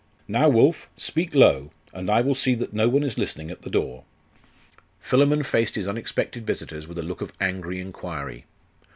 Now, Wulf, speak low; and I will see that no one is listening at the door.' Philammon faced his unexpected visitors with a look of angry inquiry.